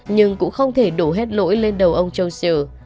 nhưng cũng không thể đổ hết lỗi lên đầu ông châu siêu